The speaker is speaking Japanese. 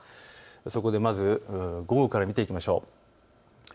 そこでまず、午後から見ていきましょう。